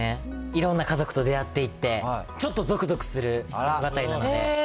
いろんな家族と出会っていって、ちょっとぞくぞくする物語なので。